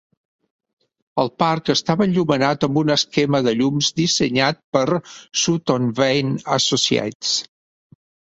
El parc estava enllumenat amb un esquema de llums dissenyat per Sutton Vane Associates.